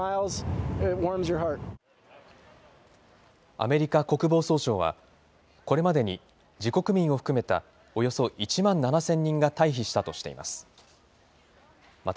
アメリカ国防総省は、これまでに自国民を含めたおよそ１万７０００人が退避したとしています。